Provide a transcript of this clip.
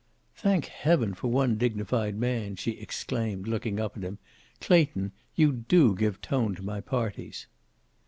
"Thank heaven for one dignified man," she exclaimed, looking up at him. "Clayton, you do give tone to my parties."